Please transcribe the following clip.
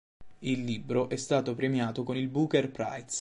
Il libro è stato premiato con il Booker Prize.